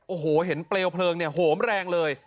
โอ้โหเห็นเปลวเพลิงเนี่ยโหมแรงเลย